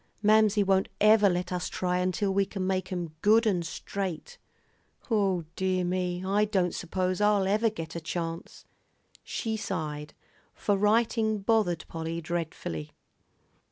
"Mamsie won't ever let us try until we can make 'em good and straight. O dear me, I don't s'pose I'll ever get a chance." She sighed; for writing bothered Polly dreadfully.